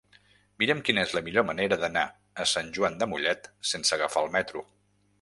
Mira'm quina és la millor manera d'anar a Sant Joan de Mollet sense agafar el metro.